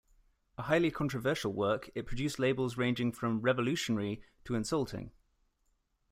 A highly controversial work, it produced labels ranging from "revolutionary" to "insulting.